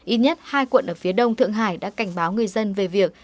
ít nhất hai quận ở phía đông thượng hải đã cảnh báo người dân về việc